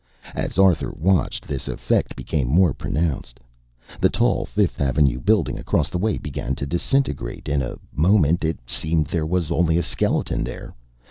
As Arthur watched, this effect became more pronounced. The tall Fifth Avenue Building across the way began to disintegrate. In a moment, it seemed, there was only a skeleton there.